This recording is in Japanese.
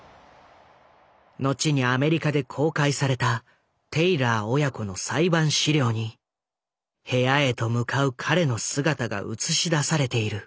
後にアメリカで公開されたテイラー親子の裁判資料に部屋へと向かう彼の姿が映し出されている。